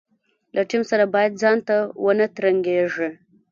له ټیم سره باید ځانته ونه ترنګېږي.